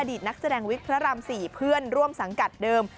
ตนักแสดงวิกพระราม๔เพื่อนร่วมสังกัดเดิม